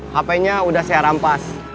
hp nya sudah saya rampas